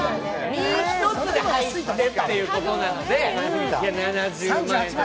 身１つで入れるっていうことなので３８万